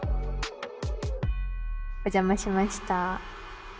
お邪魔しました。